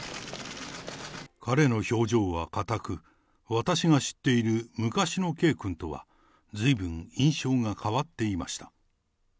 彼の表情は硬く、私が知っている昔の圭君とは、ずいぶん印象が変わっていました。